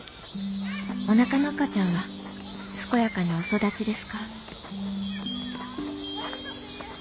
おなかの赤ちゃんは健やかにお育ちですか」。